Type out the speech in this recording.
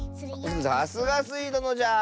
さすがスイどのじゃ。